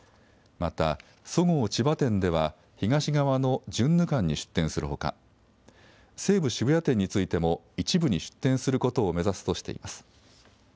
また、そごう千葉店では、東側のジュンヌ館に出店するほか、西武渋谷店についても、一部に出店することを目指すとしています。